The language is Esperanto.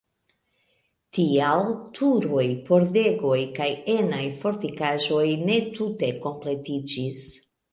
Tial turoj, pordegoj kaj enaj fortikaĵoj ne tute kompletiĝis.